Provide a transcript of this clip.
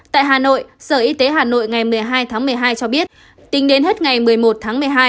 tại hà nội sở y tế hà nội ngày một mươi hai tháng một mươi hai cho biết tính đến hết ngày một mươi một tháng một mươi hai